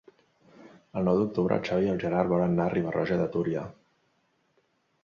El nou d'octubre en Xavi i en Gerard volen anar a Riba-roja de Túria.